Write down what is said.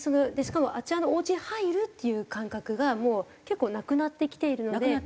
しかもあちらのおうちに入るっていう感覚がもう結構なくなってきているので。